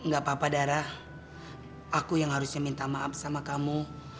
gak apa apa darah aku yang harusnya minta maaf sama kamu